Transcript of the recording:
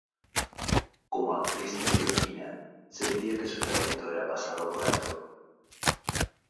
Como actriz neoyorquina, sentía que su talento era pasado por alto.